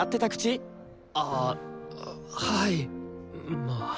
ああはいまあ。